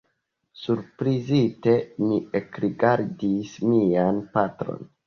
Surprizite mi ekrigardis mian patron.